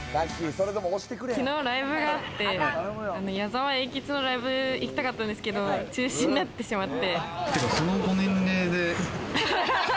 昨日ライブがあって、矢沢永吉のライブ行きたかったんですけど、中止になってしまって。